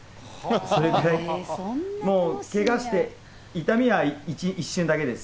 それぐらいもう、けがして、痛みは一瞬だけです。